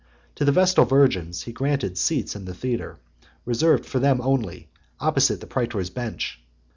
To the vestal virgins he granted seats in the theatre, reserved for them only, opposite the praetor's bench.